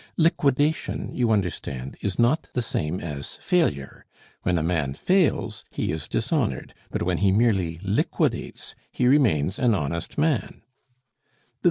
Liquidation, you understand, is not the same as failure. When a man fails, he is dishonored; but when he merely liquidates, he remains an honest man."